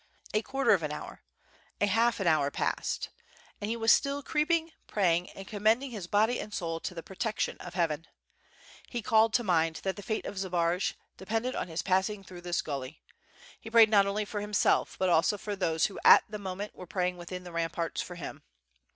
A quarter of an hour; a half hour passed, and he was still creeping, praying, and commending his body and soul to the protection of heaven. He called to mind that the fate of Zbaraj depended on his passing through this gully. He prayed not only for himself, but also for those who at the moment were praying within the ramparts for him.